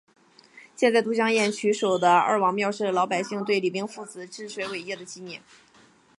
建在都江堰渠首的二王庙是老百姓对李冰父子治水伟业的纪念。